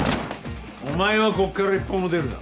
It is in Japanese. お前はこっから一歩も出るな。